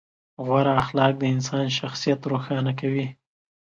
غوره اخلاق د انسان شخصیت روښانه کوي.